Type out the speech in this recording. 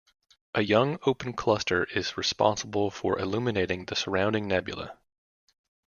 A young open cluster is responsible for illuminating the surrounding nebula.